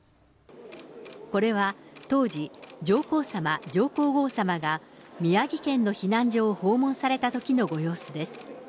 これは当時、上皇さま、上皇后さまが宮城県の避難所を訪問されたときのご様子です。